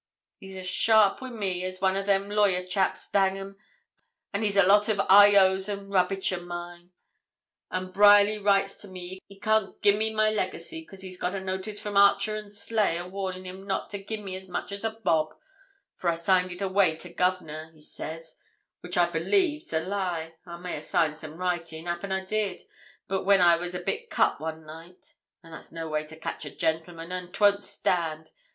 He's as sharp wi' me as one o' them lawyer chaps, dang 'em, and he's a lot of I O's and rubbitch o' mine; and Bryerly writes to me he can't gi'e me my legacy, 'cause he's got a notice from Archer and Sleigh a warnin' him not to gi'e me as much as a bob; for I signed it away to governor, he says which I believe's a lie. I may a' signed some writing 'appen I did when I was a bit cut one night. But that's no way to catch a gentleman, and 'twon't stand.